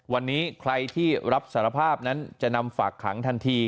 วันนี้ใครที่รับสารภาพนั้นจะนำฝากขังทันที